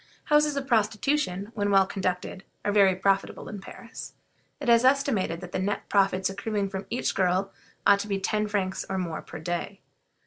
Houses of prostitution, when well conducted, are very profitable in Paris. It is estimated that the net profits accruing from each girl ought to be ten francs or more per day.